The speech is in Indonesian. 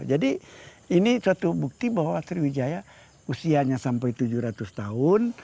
jadi ini satu bukti bahwa sriwijaya usianya sampai tujuh ratus tahun